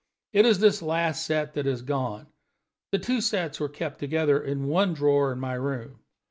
It is this last set that has gone. The two sets were kept together in one drawer in my room.